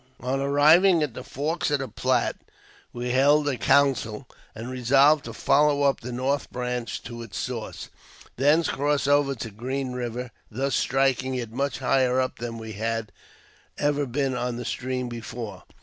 On arriving at the forks of the Platte, we held a council, and resolved to follow up the north branch to its source, thence cross over to Green Eiver, thus striking it much higher up than we had ever been on that stream before.